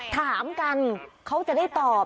ถามกันเขาจะได้ตอบ